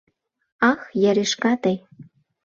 — Ах, яришка тый!